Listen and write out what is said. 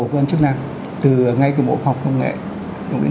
cơ quan chức năng từ ngay từ bộ học công nghệ